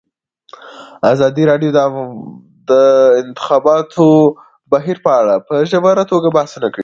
ازادي راډیو د د انتخاباتو بهیر په اړه په ژوره توګه بحثونه کړي.